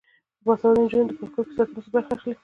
باسواده نجونې د پارکونو په ساتنه کې برخه اخلي.